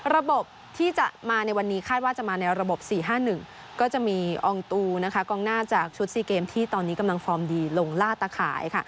ระบบที่จะมาในวันนี้คาดว่าจะมาในระบบ๔๕๑ก็จะมีอองตูกองหน้าจากชุด๔เกมที่ตอนนี้กำลังฟอร์มดีลงล่าตะข่าย